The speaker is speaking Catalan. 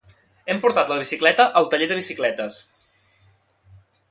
hem portat la bicicleta al taller de bicicletes